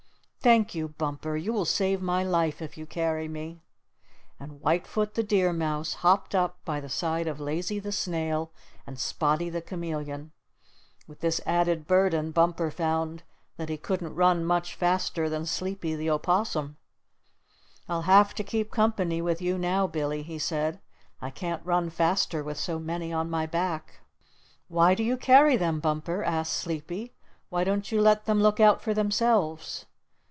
"Thank you, Bumper! You will save my life if you carry me." And White Foot the Deer Mouse hopped up by the side of Lazy the Snail and Spotty the Chameleon. With this added burden Bumper found that he couldn't run much faster than Sleepy the Opossum. "I'll have to keep company with you now, Billy," he said. "I can't run faster with so many on my back." "Why do you carry them, Bumper?" asked Sleepy. "Why don't you let them look out for themselves?"